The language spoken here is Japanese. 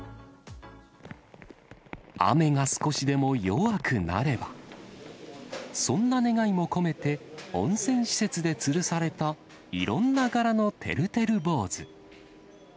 雨が少しでも弱くなれば、そんな願いも込めて、温泉施設でつるされた、いろんな柄のてるてる坊主。